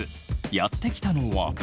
やって来たのは。